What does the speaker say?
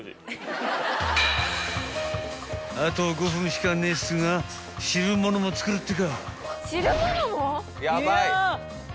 ［あと５分しかねえっすが汁物も作るってか］